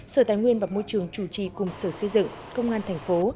sở tài nguyên và môi trường chủ trì cùng sở xây dựng công an thành phố